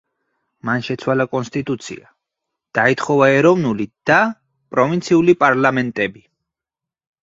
მან შეცვალა კონსტიტუცია, დაითხოვა ეროვნული და პროვინციული პარლამენტები.